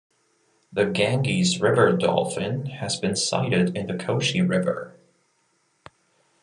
The Ganges river dolphin has been sighted in the Koshi River.